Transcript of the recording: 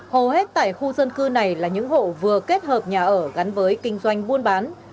hầu hết tại khu dân cư này là những hộ vừa kết hợp nhà ở gắn với kinh doanh buôn bán